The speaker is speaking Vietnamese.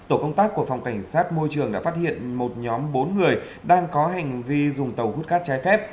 tổ công tác của phòng cảnh sát môi trường đã phát hiện một nhóm bốn người đang có hành vi dùng tàu hút cát trái phép